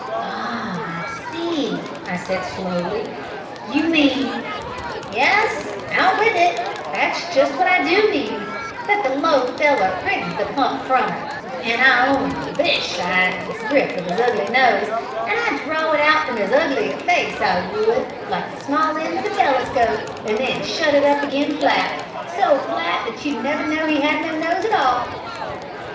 "Ah, I see," said I slowly, "you mean " "Yes, out with it, that's just wot I do mean that the low feller prigged the pup from her, an' I on'y vish as I 'ad a grip of his ugly nose, and I'd draw it out from his uglier face, I would, like the small end of a telescope, and then shut it up flat again so flat that you'd never know he'd had no nose at all!"